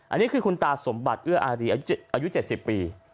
อันนี้คือคุณตาสมบัติเอื้ออารีอายุ๗๐ปี